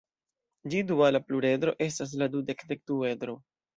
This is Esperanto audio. Ĝi duala pluredro estas la dudek-dekduedro.